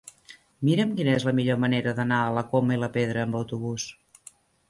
Mira'm quina és la millor manera d'anar a la Coma i la Pedra amb autobús.